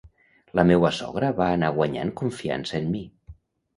La meua sogra va anar guanyant confiança en mi.